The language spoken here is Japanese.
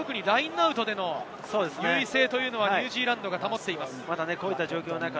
特にラインアウトでの優位性はニュージーランドが保っています。